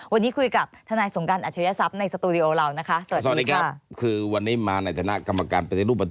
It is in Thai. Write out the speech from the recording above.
วันนี้คุยกับทนายสงการอาชริยศัพท์ในสตูดิโอเรานะคะ